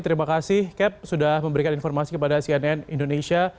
terima kasih cap sudah memberikan informasi kepada cnn indonesia